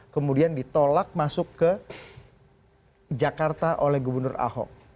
kemudian ditolak masuk ke jakarta oleh gubernur ahok